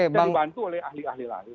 yang dibantu oleh ahli ahli lain